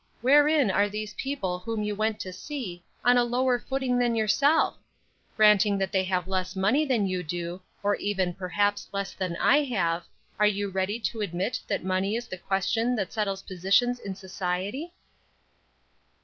Wherein are these people whom you went to see on a lower footing than yourself? Granting that they have less money than you do, or even, perhaps, less than I have, are you ready to admit that money is the question that settles positions in society?"